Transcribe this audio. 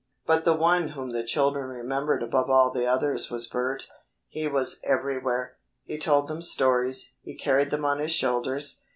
But the one whom the children remembered above all the others was Bert. He was everywhere. He told them stories. He carried them on his shoulders.